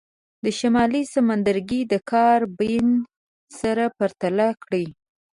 د شمالي سمندرګي د کارابین سره پرتله کړئ.